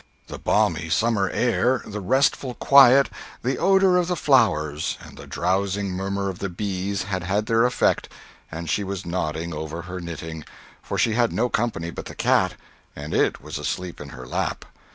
The balmy summer air, the restful quiet, the odor of the flowers, and the drowsing murmur of the bees had had their effect, and she was nodding over her knitting—for she had no company but the cat, and it was asleep in her lap.